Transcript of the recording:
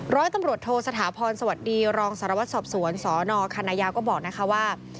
ร้อยตำรวจโทสถาพรสวัสดีรองสารวัตรสอบสวนสนคณะยาวก็บอกนะคะว่า